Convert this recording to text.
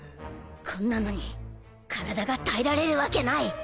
こんなのに体が耐えられるわけない。